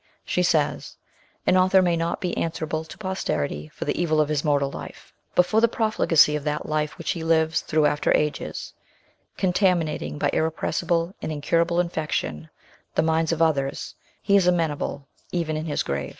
She says :" An author may not be answerable to posterity for the evil of his mortal life ; but for the profligacy of that life which he lives through after ages, contaminating by irrepressible and incurable infection the minds of others, he is amenable even in his grave/' 14 210 MBS.